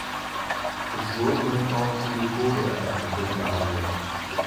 Es wurden nun auch Silikoseerkrankungen behandelt.